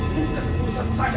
bukan urusan saya